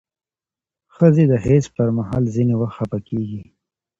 ښځې د حیض پر مهال ځینې وخت خپه کېږي.